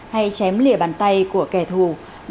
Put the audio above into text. hay chém lìa bàn tay của kẻ thù